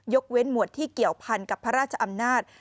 เว้นหมวดที่เกี่ยวพันกับพระราชอำนาจ